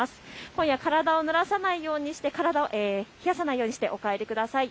今夜、体をぬらさないように、そして体を冷やさないようにしてお帰りください。